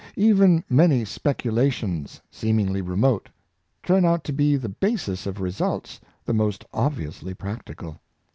Even many speculations seemingly remote, turn out to be the basis of results the inost obviously practical.